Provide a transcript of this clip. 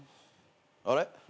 あれ？